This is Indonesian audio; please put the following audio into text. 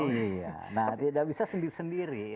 iya nah tidak bisa sendiri sendiri ya